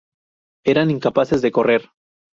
Eran incapaces de correr.